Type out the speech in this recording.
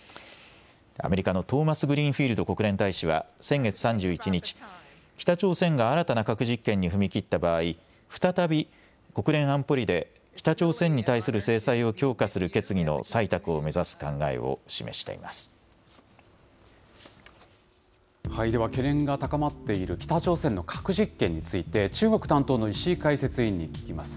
アメリカのトーマスグリーンフィールド国連大使は先月３１日、北朝鮮が新たな核実験に踏み切った場合、再び国連安保理で北朝鮮に対する制裁を強化する決議の採択を目指では、懸念が高まっている北朝鮮の核実験について、中国担当の石井解説委員に聞きます。